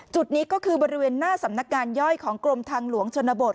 จุดนี้ก็คือบริเวณหน้าสำนักงานย่อยของกรมทางหลวงชนบท